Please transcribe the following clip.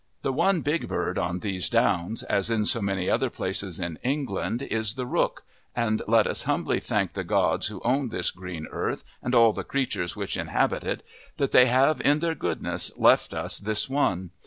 The one big bird on these downs, as in so many other places in England, is the rook, and let us humbly thank the gods who own this green earth and all the creatures which inhabit it that they have in their goodness left us this one.